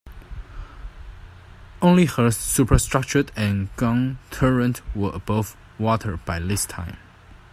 Only her superstructure and gun turrets were above water by this time.